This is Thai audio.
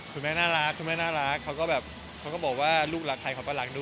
คุณแม่น่ารักคุณแม่น่ารักเขาก็แบบเขาก็บอกว่าลูกรักใครเขาก็รักด้วย